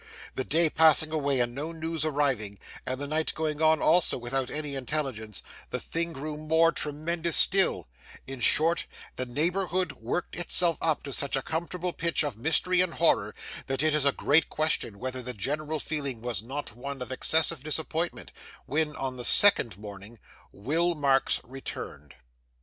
The day passing away and no news arriving, and the night going on also without any intelligence, the thing grew more tremendous still; in short, the neighbourhood worked itself up to such a comfortable pitch of mystery and horror, that it is a great question whether the general feeling was not one of excessive disappointment, when, on the second morning, Will Marks returned.